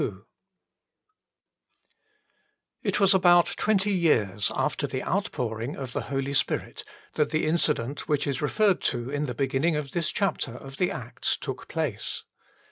TT was about twenty years after the outpouring of the Holy Spirit that the incident which is referred to in the beginning of this chapter of the Acts took place.